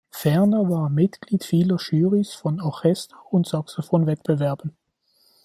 Ferner war er Mitglied vieler Jurys von Orchester- und Saxophon-Wettbewerben.